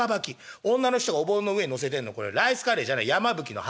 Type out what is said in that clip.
女の人がおぼんの上に載せてんのこれライスカレーじゃない山吹の花。